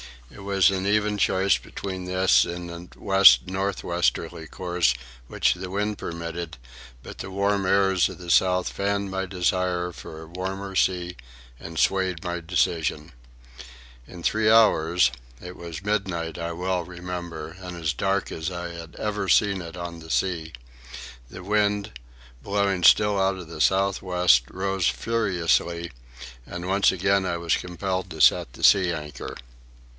It was an even choice between this and the west north westerly course which the wind permitted; but the warm airs of the south fanned my desire for a warmer sea and swayed my decision. In three hours—it was midnight, I well remember, and as dark as I had ever seen it on the sea—the wind, still blowing out of the south west, rose furiously, and once again I was compelled to set the sea anchor.